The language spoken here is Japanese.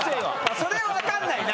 それは分かんないな